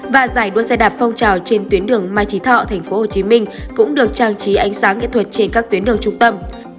và giải đua xe đạp phong trào trên tuyến đường mai trí thọ tp hcm cũng được trang trí ánh sáng nghệ thuật trên các tuyến đường trung tâm